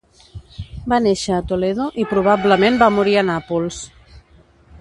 Va néixer a Toledo i probablement va morir a Nàpols.